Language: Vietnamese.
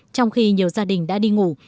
trong khi nhiều gia đình đã đi ngủ